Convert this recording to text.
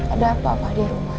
ada apa apa di rumah